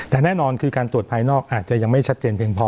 แต่แน่นอนคือการตรวจภายนอกอาจจะยังไม่ชัดเจนเพียงพอ